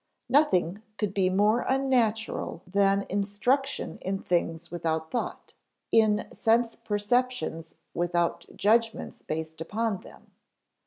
Nothing could be more unnatural than instruction in things without thought; in sense perceptions without judgments based upon them.